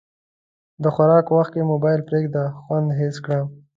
د خوراک وخت کې موبایل پرېږده، خوند حس کړه.